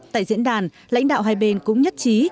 tại diễn đàn lãnh đạo hai bên cũng nhất trí